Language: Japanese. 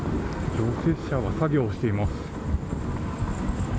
除雪車が作業をしています。